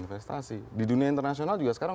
investasi di dunia internasional juga sekarang